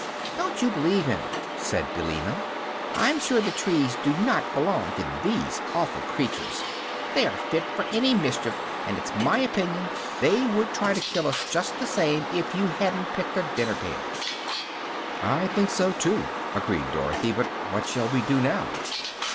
"Don't you believe him," said Billina. "I'm sure the trees do not belong to these awful creatures. They are fit for any mischief, and it's my opinion they would try to kill us just the same if you hadn't picked a dinner pail." "I think so, too," agreed Dorothy. "But what shall we do now?"